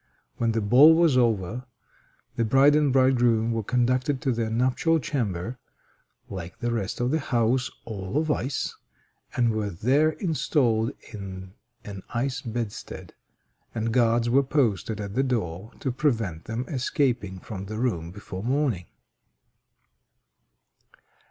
When the ball was over, the bride and bridegroom were conducted to their nuptial chamber, like the rest of the house, all of ice, and were there installed in an ice bedstead, and guards were posted at the door to prevent them escaping from the room before morning.